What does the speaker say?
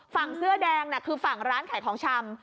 ฝั่งเสื้อแดงน่ะคือฝั่งร้านขายของชำ